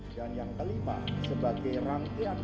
dan yang kelima sebagai rangkaian